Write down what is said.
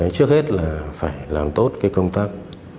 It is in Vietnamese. trước hết là phải làm tốt cái công tác